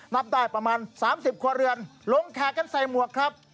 นับได้ประมาณ๓๐ครัวเรือนลงแขกกันใส่หมวกครับ